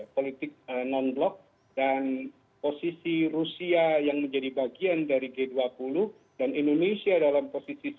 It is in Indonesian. politik non blok dan posisi rusia yang menjadi bagian dari g dua puluh dan indonesia dalam posisi satu